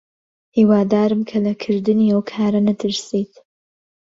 هیوادارم کە لە کردنی ئەو کارە نەترسیت.